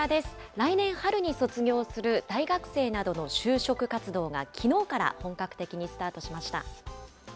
来年春に卒業する大学生などの就職活動が、きのうから本格的にスタートしました。